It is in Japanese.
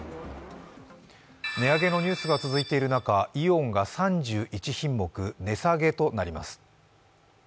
値上げのニュースが続いている中、イオンが３１品目値下げとなります。